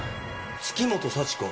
月本幸子